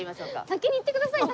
先行ってください。